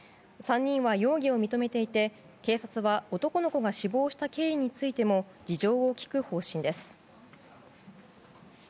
３人は容疑を認めていて警察は男の子が死亡した経緯についても事情を聴く方針です。